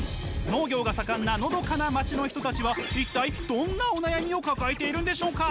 農業が盛んなのどかな街の人たちは一体どんなお悩みを抱えているんでしょうか？